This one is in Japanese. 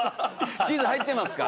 チーズ入ってますか？